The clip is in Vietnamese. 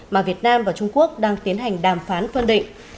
mà việt nam và trung quốc đang tiến hành đàm phán phân định